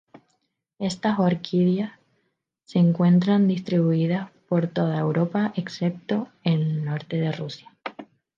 Estas orquídeas se encuentran distribuidas por toda Europa excepto el Norte de Rusia.